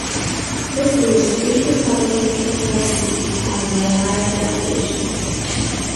This leaves eight Republican-controlled seats in the Ohio delegation.